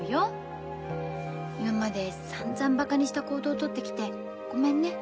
「今までさんざんバカにした行動取ってきてごめんね。